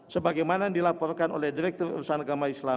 sebagaimana yang dilaporkan oleh direktur urkundi